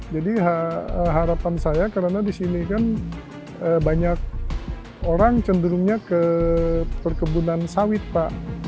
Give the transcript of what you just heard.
jadi harapan saya karena di sini kan banyak orang cenderungnya ke perkebunan sawit pak